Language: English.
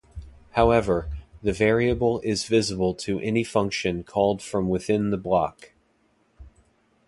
However, the variable is visible to any function called from within the block.